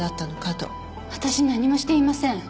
私何もしていません。